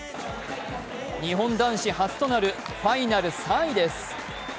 日本男子初となるファイナル３位です。